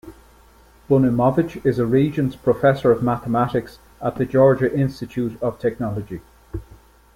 Bunimovich is a Regents' Professor of Mathematics at the Georgia Institute of Technology.